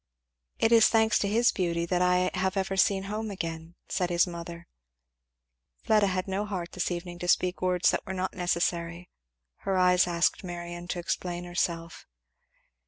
"It is thanks to his beauty that I have ever seen home again," said his mother. Fleda had no heart this evening to speak words that were not necessary; her eyes asked Marion to explain herself.